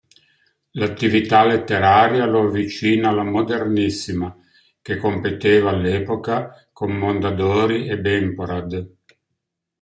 L'attività letteraria lo avvicina alla Modernissima, che competeva all'epoca con Mondadori e Bemporad.